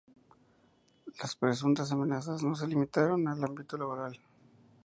Las presuntas amenazas no se limitaron al ámbito laboral.